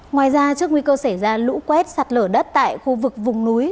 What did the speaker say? ngoài ra trước nguy cơ xảy ra lũ quét sạt lở đất tại khu vực vùng núi